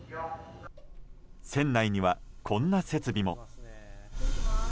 船内にはこんな設備も。